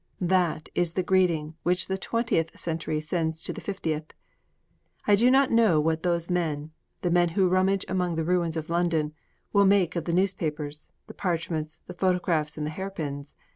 That is the greeting which the Twentieth Century sends to the Fiftieth! I do not know what those men the men who rummage among the ruins of London will make of the newspapers, the parchments, the photographs and the hairpins.